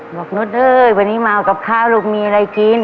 มนุษย์เอ้ยวันนี้มากับข้าวลูกมีอะไรกิน